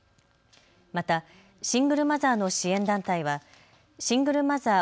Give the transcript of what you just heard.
またシングルマザーの支援団体はシングルマザー